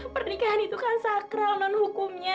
pernikahan itu kan sakral non hukumnya